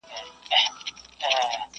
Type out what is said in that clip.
کرنه د ماشومانو لوبده نه ده.